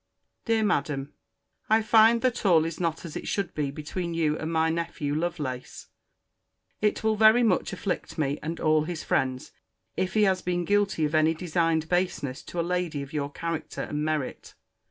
DEAR MADAM, I find that all is not as it should be between you and my nephew Lovelace. It will very much afflict me, and all his friends, if he has been guilty of any designed baseness to a lady of your character and merit.